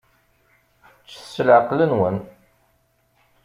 Ččet s leεqel-nwen.